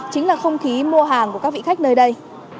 chính là không khí mua hàng của các vị khách nơi đây